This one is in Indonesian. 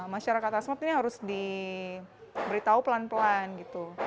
masyarakat asmat ini harus diberitahu pelan pelan gitu